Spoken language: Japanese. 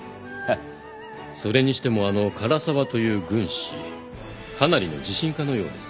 それにしてもあの唐澤という軍師かなりの自信家のようです。